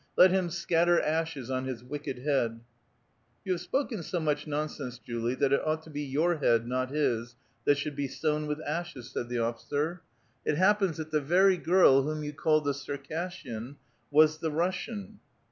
Let him scatter ashes ou his wicked head !" ''You have spoken so much nonsense, Julie, that it ought to be your iiead, not his, that siiould be sown with ashes," said the officer. " It happens tiiat the very girl whom you called the Circassian was tiie liussian."